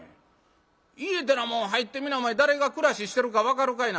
家てなもん入ってみなお前誰が暮らししてるか分かるかいな」。